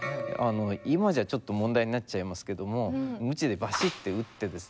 今じゃちょっと問題になっちゃいますけども鞭でバシッて打ってですね